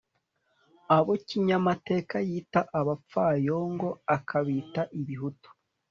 abo kinyamateka yita abapfayongo, akabita ibihutu